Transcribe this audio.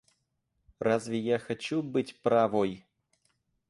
Разве я хочу быть правой!